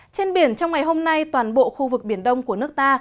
trên biển trong ngày hôm nay toàn bộ khu vực biển đông của nước ta